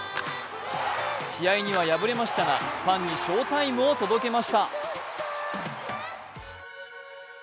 試合には敗れましたが、ファンに翔タイムを届けました。